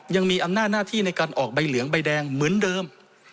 ยังมีอำนาจหน้าที่ในการออกใบเหลืองใบแดงเหมือนเดิม